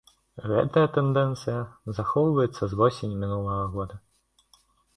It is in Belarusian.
Гэтая тэндэнцыя захоўваецца з восені мінулага года.